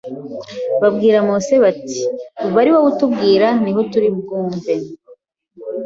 Babwira Mose bati: “Ba ari wowe utubwira niho turi bwumve,